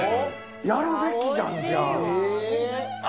やるべきじゃん、じゃあ。